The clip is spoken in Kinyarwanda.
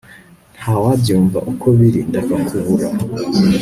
ntawabyumva uko biri ndakakubura